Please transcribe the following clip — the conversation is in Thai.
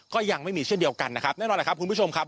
ก็ยังไม่มีเช่นเดียวกันนะครับแน่นอนแหละครับคุณผู้ชมครับ